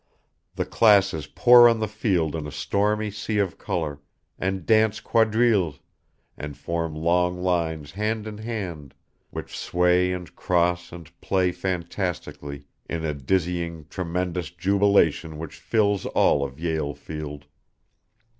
The classes pour on the field in a stormy sea of color, and dance quadrilles, and form long lines hand in hand which sway and cross and play fantastically in a dizzying, tremendous jubilation which fills all of Yale Field.